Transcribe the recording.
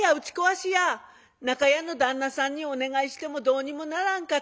中屋の旦那さんにお願いしてもどうにもならんかった。